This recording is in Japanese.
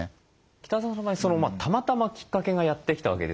北澤さんの場合たまたまきっかけがやって来たわけですよね。